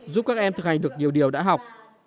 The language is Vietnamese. giúp các em thực hành được nhiều điều đã học